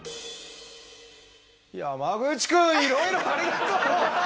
山口くんいろいろありがとう！